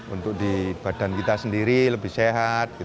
untuk di badan kita sendiri lebih sehat